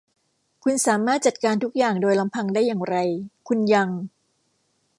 คุณสามารถจัดการทุกอย่างโดยลำพังได้อย่างไร คุณยัง